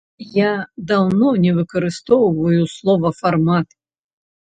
Я даўно не выкарыстоўваю слова фармат.